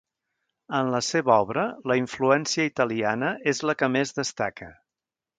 En la seva obra, la influència italiana és la que més destaca.